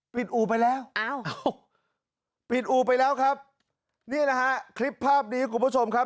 ปิดอู่ไปแล้วปิดอู่ไปแล้วครับนี่นะฮะคลิปภาพดีให้คุณผู้ชมครับ